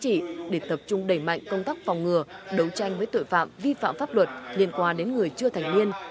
chỉ để tập trung đẩy mạnh công tác phòng ngừa đấu tranh với tội phạm vi phạm pháp luật liên quan đến người chưa thành niên